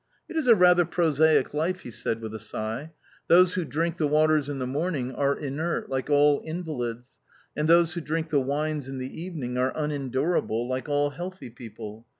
"It is a rather prosaic life," he said, with a sigh. "Those who drink the waters in the morning are inert like all invalids, and those who drink the wines in the evening are unendurable like all healthy people!